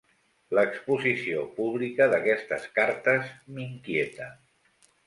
L'exposició pública d'aquestes cartes m'inquieta.